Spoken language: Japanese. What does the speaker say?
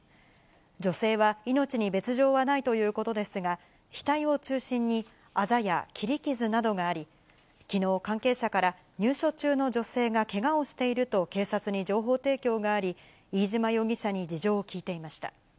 女性は命に別状はないということですが、額を中心に、あざや切り傷などがあり、きのう、関係者から入所中の女性がけがをしていると警察に情報提供があり、飯島容疑者に事情を聴いていました。